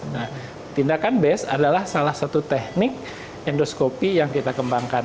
nah tindakan best adalah salah satu teknik endoskopi yang kita kembangkan